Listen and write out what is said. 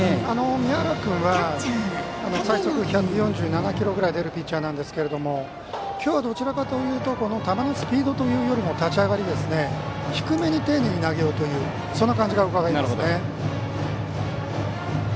宮原君は最速１４７キロくらい出るピッチャーなんですが今日はどちらかというと球のスピードというよりも立ち上がり低めに丁寧に投げようというそんな感じがうかがえますね。